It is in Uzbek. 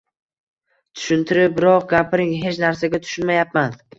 Tushuntiribroq gapiring, hech narsaga tushunmayapman.